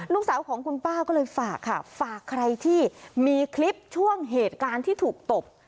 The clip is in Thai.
ลูกสาวของคุณป้าก็เลยฝากค่ะฝากใครที่มีคลิปช่วงเหตุการณ์ที่ถูกตบ